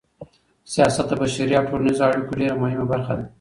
سياست د بشري او ټولنيزو اړيکو ډېره مهمه برخه ده.